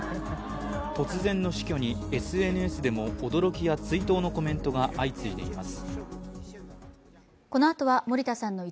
突然の死去にＳＮＳでも驚きや追悼のコメントが相次いでいます。